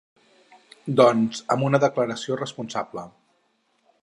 Doncs, amb una ‘declaració responsable’.